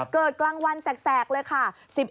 กลางวันแสกเลยค่ะ